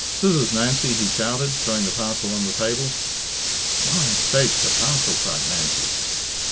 "Scissors, Nancy," he shouted, throwing the parcel on the table. "My sakes, a parcel!" cried Nancy.